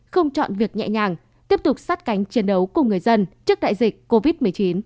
không chọn việc nhẹ nhàng tiếp tục sát cánh chiến đấu cùng người dân trước đại dịch covid một mươi chín